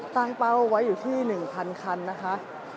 ตั้งเป้าไว้อยู่ที่๑๐๐คันนะคะ